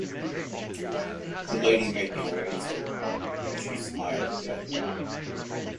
The lady made no answer, but she smiled again.